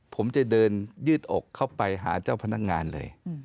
ผมจะเดินยืดอกเข้าไปหาเจ้าพนักงานเลย